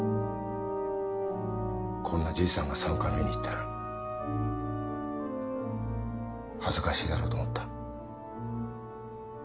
こんなじいさんが参観日に行ったら恥ずかしいだろうと思った。